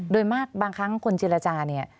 โดยมากบางครั้งคนเจรจาเนี่ย